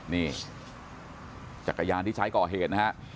นี่จักรยานที่ใช้ก่อเหตุนะฮะ